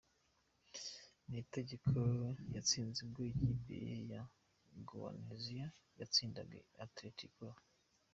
Ni igitego yatsinze ubwo ikipe ye ya Goianesia yatsindaga Atletico-Go.